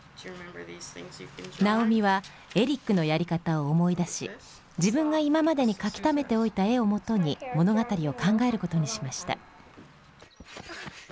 ナオミはエリックのやり方を思い出し自分が今までに描きためておいた絵をもとに物語を考えることにしました。